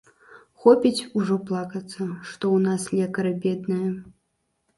Хопіць ужо плакацца, што ў нас лекары бедныя.